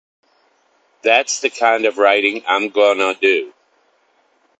That's the kind of writing I'm gonna do.